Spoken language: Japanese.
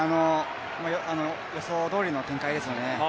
予想どおりの展開ですよね。